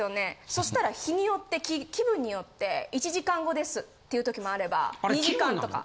そしたら日によって気分によって１時間後ですっていうときもあれば２時間とか。